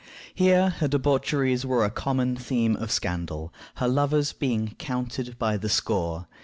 Here her debaucheries were a common theme of scandal, her lovers being counted by the score.